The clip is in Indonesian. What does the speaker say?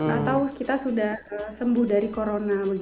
atau kita sudah sembuh dari corona